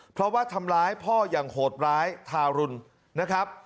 เพราะว่าทำร้ายพ่ออย่างโหดร้ายทารุณนะครับ